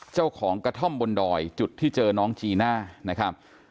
เจ้าของกระท่อมบนดอยจุดที่เจอน้องจีน่านะครับ